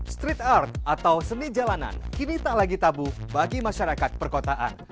street art atau seni jalanan kini tak lagi tabu bagi masyarakat perkotaan